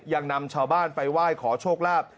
ยังนำชาวบ้านไปไหว้ขอโชคลาภ